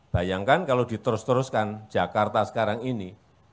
bayangkan kalau diterus teruskan jakarta sekarang ini